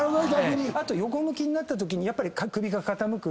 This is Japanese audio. あと横向きになったときにやっぱり首が傾く。